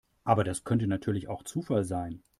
Aber das könnte natürlich auch Zufall sein.